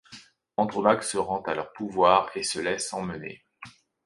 Andromaque se rend à leur pouvoir, et se laisse emmener.